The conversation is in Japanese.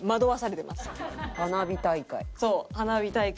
「花火大会」。